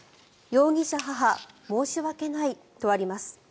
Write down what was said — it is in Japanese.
容疑者母、申し訳ないとあります。